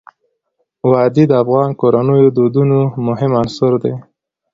وادي د افغان کورنیو د دودونو مهم عنصر دی.